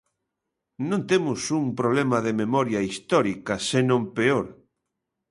Non temos un problema de memoria histórica senón peor.